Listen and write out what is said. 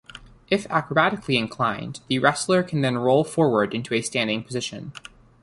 If acrobatically inclined, the wrestler can then roll forward into a standing position.